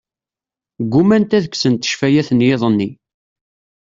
Ggumant ad kksent ccfayat n yiḍ-nni.